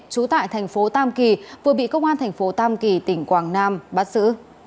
trú tại tp tam kỳ vừa bị công an tp tam kỳ tỉnh quảng nam bắt giữ